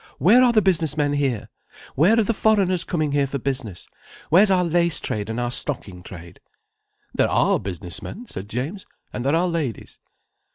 "Where are the business men here? Where are the foreigners coming here for business, where's our lace trade and our stocking trade?" "There are business men," said James. "And there are ladies."